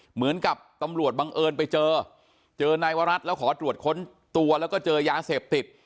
เหมือนกับตำรวจบังเอิญไปเจอเจอนายวรัฐแล้วขอตรวจค้นตัวแล้วก็เจอยาเสพติด